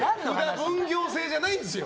分業制じゃないんですよ。